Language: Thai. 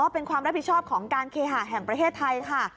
เป็นความรับผิดชอบของการเคหาแห่งประเทศไทยค่ะ